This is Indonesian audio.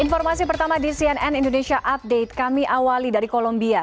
informasi pertama di cnn indonesia update kami awali dari kolombia